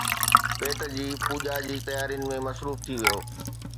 پيٽ جي پوڄا جي تيارين ۾ مصروف ٿي ويو